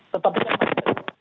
tetap bisa berbenturan